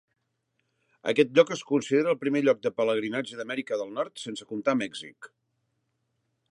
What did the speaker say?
Aquest lloc es considera el primer lloc de pelegrinatge d'Amèrica del Nord, sense comptar Mèxic.